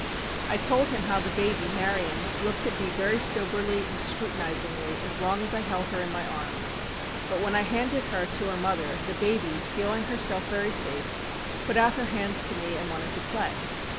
I told him how the baby, Marian, looked at me very soberly and scrutinisingly as long as I held her in my arms, but when I handed her to her mother, the baby, feeling herself very safe, put out her hands to me and wanted to play.